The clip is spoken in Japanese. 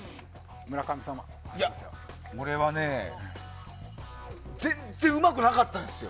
俺はね全然うまくなかったですよ。